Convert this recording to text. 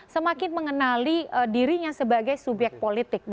semakin mengenali dirinya sebagai subyek politik